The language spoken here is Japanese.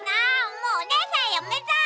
もうおねえさんやめた！